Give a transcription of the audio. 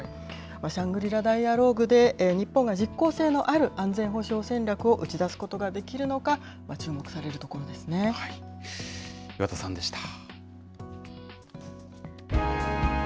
シャングリラ・ダイアローグで、日本が実効性のある安全保障戦略を打ち出すことができるのか、注岩田さんでした。